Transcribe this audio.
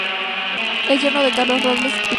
Es yerno de Carlos Robles Piquer.